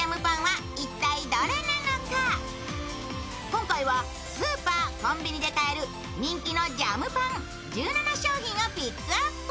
今回は、スーパー、コンビニで買える人気のジャムパン１７商品をピックアップ。